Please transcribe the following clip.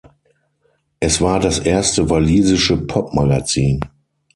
Es war das erste walisische Popmagazin.